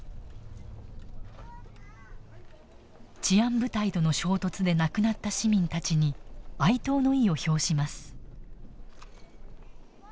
治安部隊との衝突で亡くなった市民たちに哀悼の意を表します。